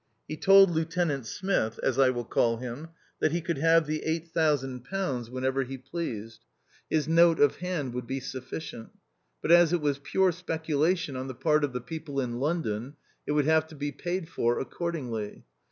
He told Lieutenant Smith (as I will call him) that he could have the £8000 whenever he pleased ; his note of hand would be sufficient ; but, as it was pure speculation on the part of the THE OUTCAST. 177 people in London, it would have to be paid for accordingly.